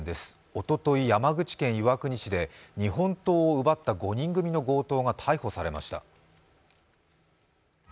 おととい、山口県岩国市で日本刀を奪った５人組の強盗が逮捕されました。